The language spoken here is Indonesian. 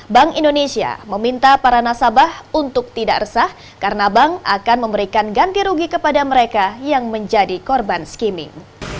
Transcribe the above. bank indonesia meminta para nasabah untuk tidak resah karena bank akan memberikan ganti rugi kepada mereka yang menjadi korban skimming